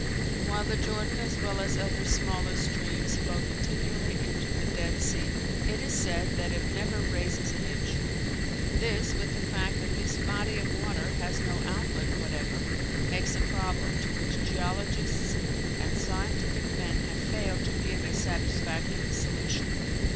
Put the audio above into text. While the Jordan as well as other smaller streams flow continually into the Dead Sea, it is said that it never raises an inch. This, with the fact that this body of water has no outlet whatever, makes a problem to which geologists and scientific men have failed to give a satisfactory solution.